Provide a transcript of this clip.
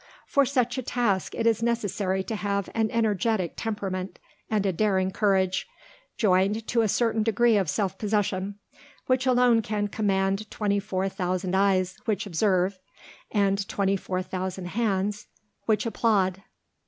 For such a task it is necessary to have an energetic temperament and a daring courage, joined to a certain degree of self possession, which alone can command twenty four thousand eyes which observe, and twenty four thousand hands which applaud.